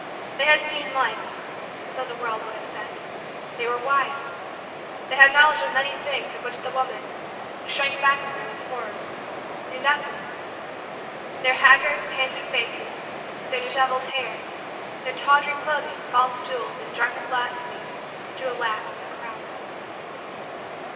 They had seen life so the world would have said. They were wise. They had knowledge of many things of which the woman, who shrank back from them in horror, knew nothing. Their haggard, painted, faces, their disheveled hair, their tawdry clothing, false jewels, and drunken blasphemies, drew a laugh from the crowd.